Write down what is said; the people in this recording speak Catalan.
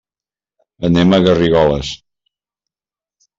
Anem a Garrigoles.